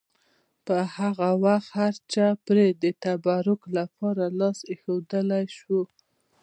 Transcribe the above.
په هغه وخت هرچا پرې د تبرک لپاره لاس ایښودلی شو.